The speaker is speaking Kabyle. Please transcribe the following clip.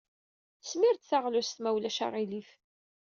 Smir-d taɣlust, ma ulac aɣilif.